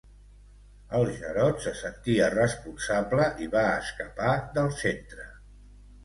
El Jarod se sentia responsable i va escapar del Centre.